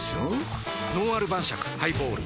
「のんある晩酌ハイボール」